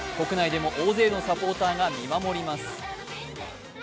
国内でも大勢のサポーターが見守ります。